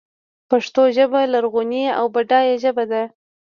پښتو ژبه لرغونۍ او بډایه ژبه ده.